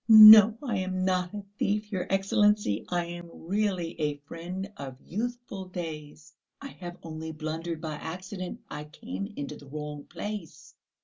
"No, I am not a thief, your Excellency; I am really a friend of youthful days.... I have only blundered by accident, I came into the wrong place."